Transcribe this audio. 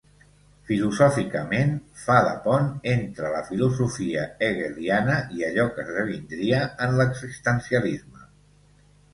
Filosòficament, fa de pont entre la filosofia hegeliana i allò que esdevindria en l'existencialisme.